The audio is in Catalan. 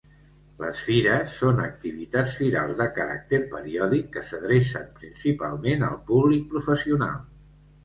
Les fires són activitats firals de caràcter periòdic que s'adrecen principalment al públic professional.